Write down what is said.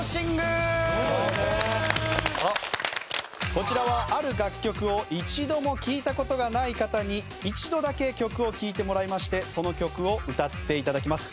こちらはある楽曲を一度も聴いた事がない方に一度だけ曲を聴いてもらいましてその曲を歌って頂きます。